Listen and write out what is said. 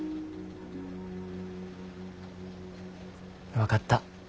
分かった。